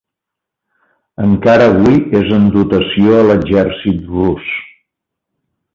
Encara avui és en dotació a l'exèrcit rus.